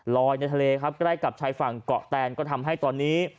ในทะเลครับใกล้กับชายฝั่งเกาะแตนก็ทำให้ตอนนี้